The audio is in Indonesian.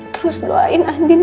terus doain andin